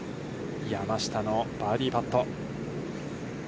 山下のバーディーパット。